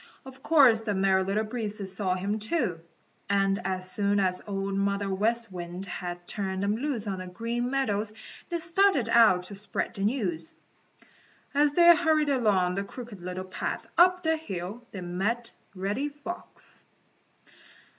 Of course the Merry Little Breezes saw him, too, and as soon as Old Mother West Wind had turned them loose on the Green Meadows they started out to spread the news. As they hurried along the Crooked Little Path up the hill, they met Reddy Fox.